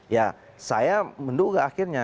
ya saya menduga akhirnya